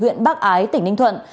huyện bắc ái tỉnh ninh thuận